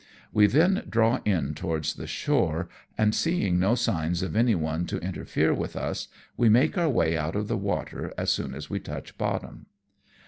We then draw in towards the shore, and seeing no signs of any one to interfere with us, we make our way out of the water as soon as we touch bottom.